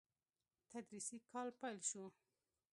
تدريسي کال پيل شو.